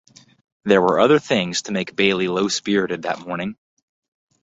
There were other things to make Bailey low-spirited that morning.